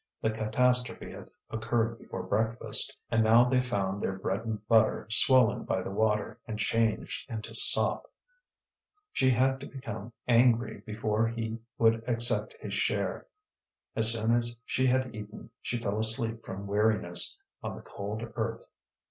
The catastrophe had occurred before breakfast, and now they found their bread and butter swollen by the water and changed into sop. She had to become angry before he would accept his share. As soon as she had eaten she fell asleep from weariness, on the cold earth.